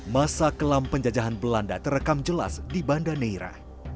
masa kelam penjajahan belanda terekam jelas di banda neira